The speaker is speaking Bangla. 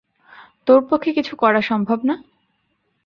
তোর পক্ষে কিছু করা সম্ভব না?